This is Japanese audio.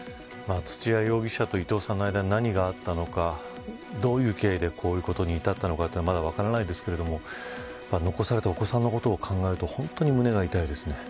土屋容疑者と伊藤さんの間に何があったのかどういう経緯でこういうことに至ったのか、まだ分かりませんが残されたお子さんのことを考えると本当に胸が痛いですね。